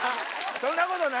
そんなことない！